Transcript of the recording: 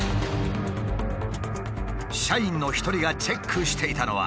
社員の一人がチェックしていたのは。